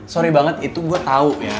sorry banget itu gue tau ya